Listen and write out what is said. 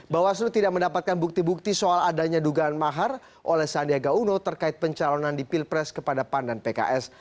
bahwa seluruh tidak mendapatkan bukti bukti soal adanya dugaan mahar oleh sandego uno terkait pencalonan di pilpres kepada pandan pks